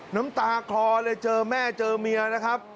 น้ำตาคลอเลยเจอแม่เจอเมียนะครับ